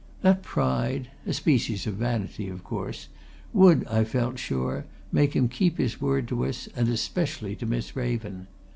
That pride a species of vanity, of course would, I felt sure, make him keep his word to us and especially to Miss Raven.